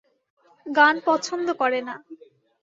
গান পছন্দ করে না।